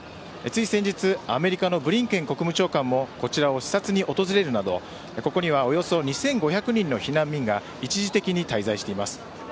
つい先日、アメリカのブリンケン国務長官もこちらを視察に訪れるなどここにはおよそ２５００人の避難民が一時的に滞在しています。